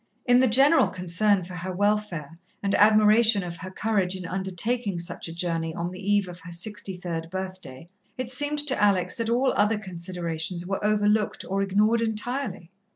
In the general concern for her welfare and admiration of her courage in undertaking such a journey on the eve of her sixty third birthday, it seemed to Alex that all other considerations were overlooked or ignored entirely.